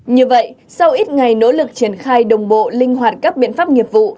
như vậy sau ít ngày nỗ lực triển khai đồng bộ linh hoạt các biện pháp nghiệp vụ